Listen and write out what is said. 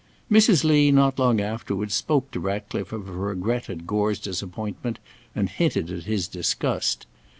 Mrs. Lee not long afterwards spoke to Ratcliffe of her regret at Gore's disappointment and hinted at his disgust.